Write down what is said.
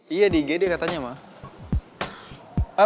iya di gd katanya ma